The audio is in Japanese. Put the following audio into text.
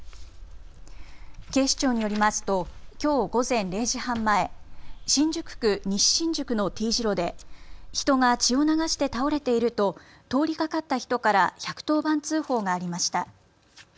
警視庁によりますときょう午前０時半前、新宿区西新宿のＴ字路で人が血を流して倒れていると通りかかった人から１１０番通報がありました。